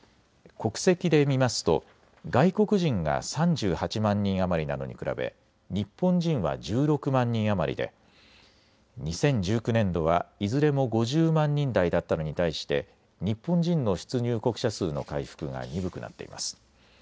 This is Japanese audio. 国籍で見ますと外国人が３８万人余りなのに比べ日本人は１６万人余りで２０１９年度はいずれも５０万人台だったのに対して日本人の出入国者数の回復が鈍くなっています。